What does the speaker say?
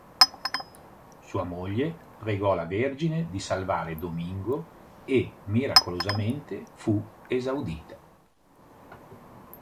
Sua moglie pregò la Vergine di salvare Domingo e miracolosamente fu esaudita.